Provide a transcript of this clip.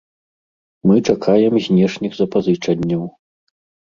Мы чакаем знешніх запазычанняў.